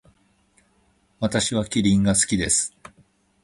私はキリンが好きです。